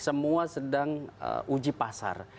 semua sedang uji pasar